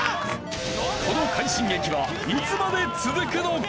この快進撃はいつまで続くのか？